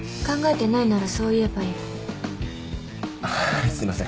考えてないならそう言えばいい。